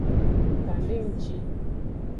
Kan de nji.